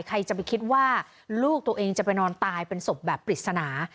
ใครจะไปคิดว่าลูกตัวเองจะไปนอนตายเป็นศพแบบปริศนา